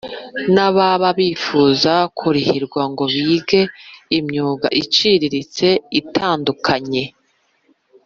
n ababa bifuza kurihirwa ngo bige imyuga iciriritse itandukanye